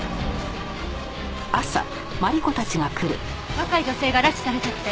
若い女性が拉致されたって？